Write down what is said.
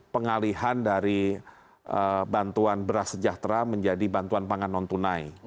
pengalihan dari bantuan beras sejahtera menjadi bantuan pangan non tunai